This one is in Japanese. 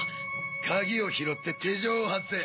鍵を拾って手錠を外せ！